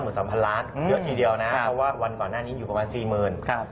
เรียกพันที่เดียวนะครับว่าวันก่อนหน้านี้อยู่ประมาณ๔๐๐๐๐